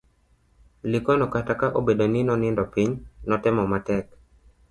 Likono kata ka obedo ni nonindo piny, notemo matek